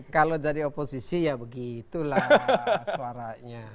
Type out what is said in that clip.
kalau dari oposisi ya begitulah suaranya